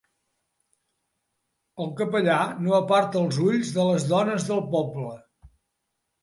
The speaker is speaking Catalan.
El capellà no aparta els ulls de les dones del poble.